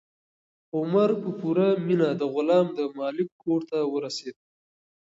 عمر په پوره مینه د غلام د مالک کور ته ورسېد.